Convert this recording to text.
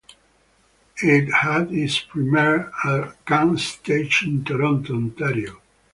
It had its premiere at CanStage in Toronto, Ontario.